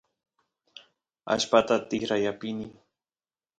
allpata tikray apini